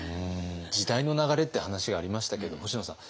時代の流れって話がありましたけど星野さん。